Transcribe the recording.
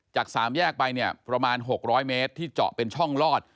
จาก๓แยกไปเนี่ยประมาณ๖๐๐เมตรที่เจาะเป็นช่องลอด